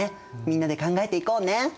みんなで考えていこうね。